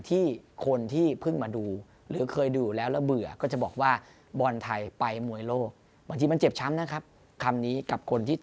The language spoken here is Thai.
ที่คนที่เพิ่งมาดูหรือเคยดูแล้วแล้วเบื่อก็จะบอกว่า